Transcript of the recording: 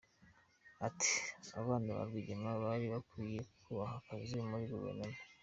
Ati “Abana ba Rwigema bari bakwiye kubaha akazi muri Guverinoma.”